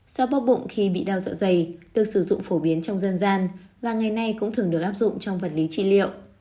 sau bóp bụng khi bị đau dạ dày được sử dụng phổ biến trong dân gian và ngày nay cũng thường được áp dụng trong vật lý trị liệu